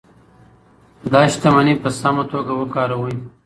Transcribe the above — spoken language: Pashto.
دا شتمني په سمه توګه وکاروئ.